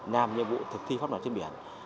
nam nhiệm vụ thực thi pháp đoàn trên biển